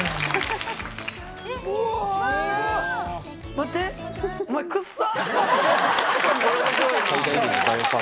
待って、お前、くっさ！